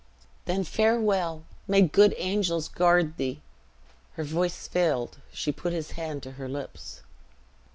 "Then farewell! May good angels guard thee!" Her voice failed; she put his hand to her lips.